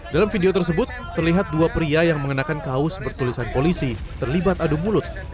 dalam video tersebut terlihat dua pria yang mengenakan kaos bertulisan polisi terlibat adu mulut